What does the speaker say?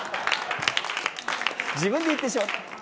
自分で言ってしまった。